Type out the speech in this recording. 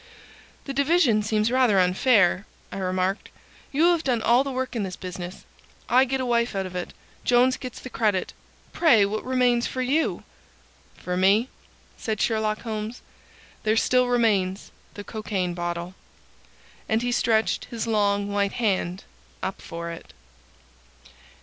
"The division seems rather unfair," I remarked. "You have done all the work in this business. I get a wife out of it, Jones gets the credit, pray what remains for you?" "For me," said Sherlock Holmes, "there still remains the cocaine bottle." And he stretched his long white hand up for it.